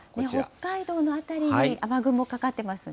北海道の辺りに雨雲かかってますね。